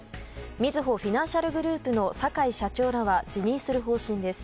みずほフィナンシャルグループの坂井社長らは辞任する方針です。